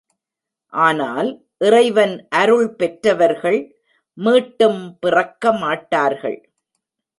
ஆனால் இறைவன் அருள் பெற்றவர்கள் மீட்டும் பிறக்க மாட்டார்கள்.